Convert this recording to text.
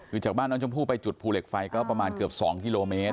คือจากบ้านน้องชมพู่ไปจุดภูเหล็กไฟก็ประมาณเกือบ๒กิโลเมตร